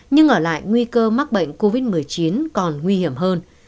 nhưng ở lại nguy cơ mắc bệnh covid một mươi chín còn nguy hiểm hơn